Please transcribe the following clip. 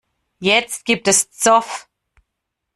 Jetzt gibt es Zoff.